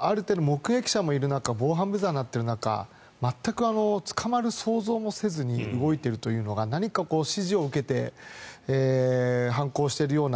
ある程度、目撃者もいる中防犯ブザーも鳴っている中全く捕まる想像もせずに動いているというのが何か指示を受けて犯行しているような。